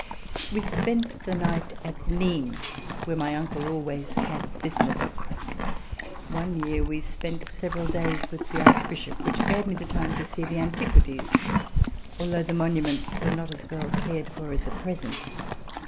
We spent the night at Nimes, where my uncle always had business. One year we spent several days with the Archbishop, which gave me the time to see the antiquities, although the monuments were not as well cared for as at present.